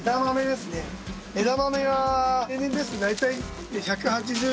枝豆は例年ですと大体１８０円。